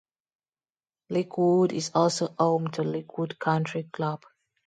Lakewood is also home to Lakewood Country Club.